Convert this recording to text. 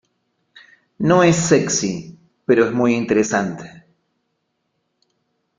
No es sexy, pero es muy interesante".